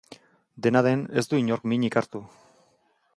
Dena den, ez du inork minik hartu.